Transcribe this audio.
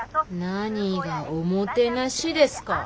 何が「おもてなし」ですか。